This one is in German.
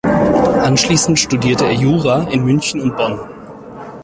Anschließend studierte er Jura in München und Bonn.